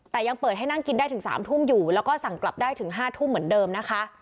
แต่ยังเปิดให้นั่งกินได้ถึง๓ทุ่มอยู่แล้วก็สั่งกลับได้ถึง๕ทุ่มเหมือนเดิมนะคะ